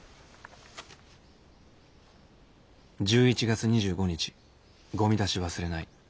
１１月２５日ごみ出し忘れない。